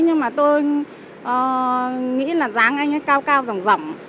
nhưng mà tôi nghĩ là dáng anh ấy cao cao rộng rộng